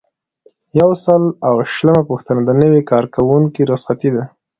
یو سل او شلمه پوښتنه د نوي کارکوونکي رخصتي ده.